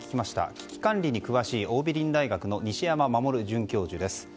危機管理に詳しい桜美林大学の西山守准教授です。